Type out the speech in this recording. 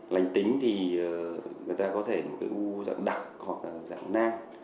lành tính thì người ta có thể là ưu dạng đặc hoặc là dạng nang